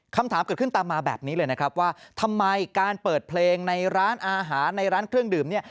คำถามเกิดขึ้นตามมาแบบนี้เลยนะครับว่าทำไมการเปิดเพลงในร้านอาหารในร้านเครื่องดื่มเนี่ย